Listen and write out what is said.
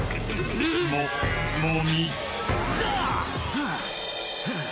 はあはあ。